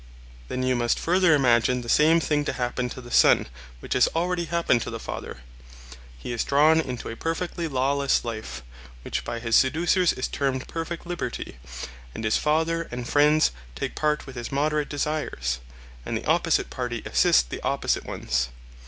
Then you must further imagine the same thing to happen to the son which has already happened to the father:—he is drawn into a perfectly lawless life, which by his seducers is termed perfect liberty; and his father and friends take part with his moderate desires, and the opposite party assist the opposite ones.